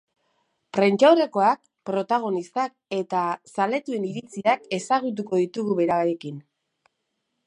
Prentsaurrekoak, protagonistak, eta zaletuen iritziak ezagutuko ditugu berarekin.